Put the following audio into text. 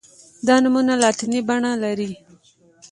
دا نومونه لاتیني بڼه لري.